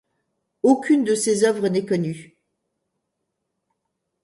Aucune de ses œuvres n'est connue.